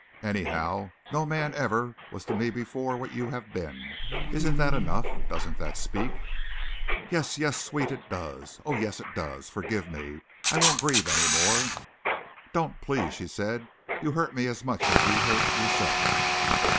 "Anyhow, no man ever was to me before what you have been. Isn't that enough? Doesn't that speak?" "Yes, yes, sweet, it does. Oh, yes it does. Forgive me. I won't grieve any more." "Don't, please," she said, "you hurt me as much as you hurt yourself."